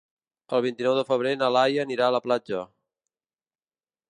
El vint-i-nou de febrer na Laia anirà a la platja.